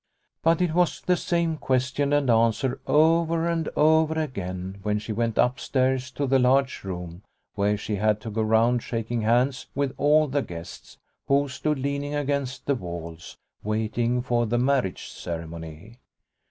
But it was the same question and answer over and over again when she went upstairs to the large room where she had to go round shaking hands with all the guests, who stood leaning against the walls, waiting for the marriage ceremony.